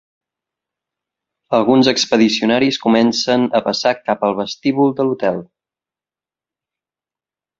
Alguns expedicionaris comencen a passar cap al vestíbul de l'hotel.